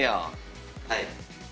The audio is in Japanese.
はい。